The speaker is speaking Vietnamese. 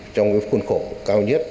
trong cái khuôn khổ cao nhất